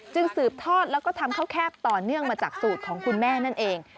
สืบทอดแล้วก็ทำข้าวแคบต่อเนื่องมาจากสูตรของคุณแม่นั่นเอง